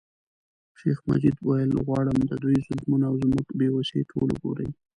شیخ مجید ویل غواړم د دوی ظلمونه او زموږ بې وسي ټول وګوري.